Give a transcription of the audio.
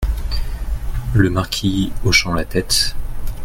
Le Marquis , hochant la tête.